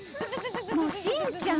もうしんちゃん